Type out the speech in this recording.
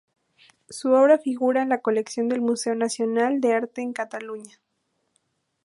Su obra figura en la colección del Museo Nacional de Arte de Cataluña.